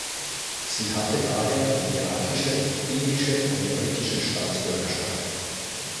Sie hatte daher die irakische, irische und britische Staatsbürgerschaft.